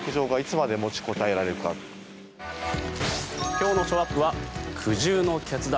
今日のショーアップは苦渋の決断